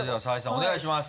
お願いします。